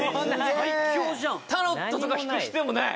タロットとか引く必要もない？